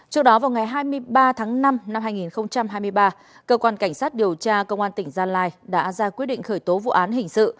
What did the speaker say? trước đó vào ngày hai mươi ba tháng năm năm hai nghìn hai mươi ba cơ quan cảnh sát điều tra công an tỉnh gia lai đã ra quyết định khởi tố vụ án hình sự